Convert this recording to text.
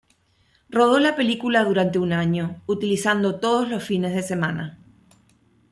Rodó la película durante un año, utilizando todos los fines de semana.